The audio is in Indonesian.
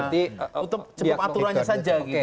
untuk aturannya saja